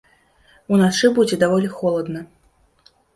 Уначы будзе даволі холадна.